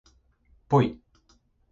ぽい